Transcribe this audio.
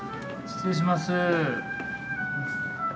失礼します。